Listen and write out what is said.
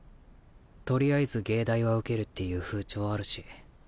とりあえず藝大は受けるっていう風潮あるし。